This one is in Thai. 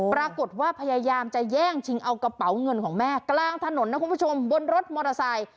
พยายามจะแย่งชิงเอากระเป๋าเงินของแม่กลางถนนนะคุณผู้ชมบนรถมอเตอร์ไซค์